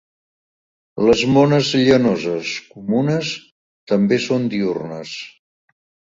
Les mones llanoses comunes també són diürnes.